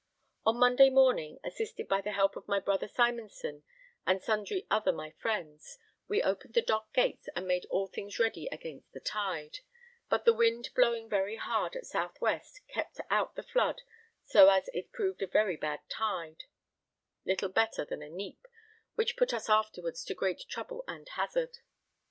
On Monday morning, assisted by the help of my brother Simonson and sundry other my friends, we opened the dock gates and made all things ready against the tide, but the wind blowing very hard at south west kept out the flood so as it proved a very bad tide, little better than a neap, which put us afterwards to great trouble and hazard.